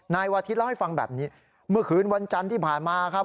นายวาทิศเล่าให้ฟังแบบนี้เมื่อคืนวันจันทร์ที่ผ่านมาครับ